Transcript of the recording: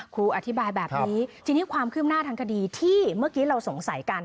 ครูอธิบายแบบนี้ทีนี้ความคืบหน้าทางคดีที่เมื่อกี้เราสงสัยกัน